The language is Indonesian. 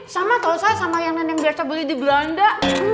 sama tau saya sama yang nenek biasa beli di belanda